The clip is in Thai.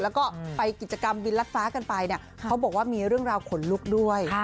แล้วก็ไปกิจกรรมบินรัดฟ้ากันไปเนี่ยเขาบอกว่ามีเรื่องราวขนลุกด้วย